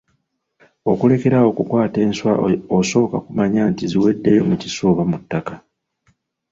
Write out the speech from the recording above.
Okulekerawo okukwata enswa osooka kumanya nti ziweddeyo mu kiswa oba mu ttaka.